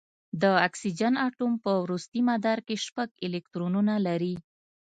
د اکسیجن اتوم په وروستي مدار کې شپږ الکترونونه لري.